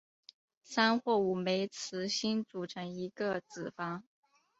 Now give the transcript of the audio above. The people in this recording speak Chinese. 三或五枚雌蕊组成一个子房。